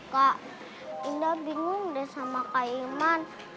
kak indah bingung deh sama kayman